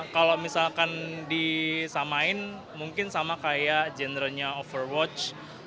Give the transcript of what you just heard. kalau misalkan disamain mungkin sama kayak jendernya overwatch